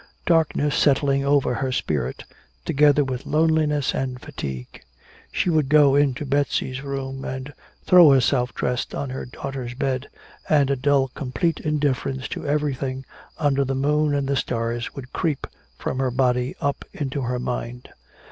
Darkness settling over her spirit, together with loneliness and fatigue. She would go into Betsy's room and throw herself dressed on her daughter's bed, and a dull complete indifference to everything under the moon and the stars would creep from her body up into her mind.